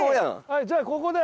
はいじゃあここで。